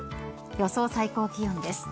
予想最高気温です。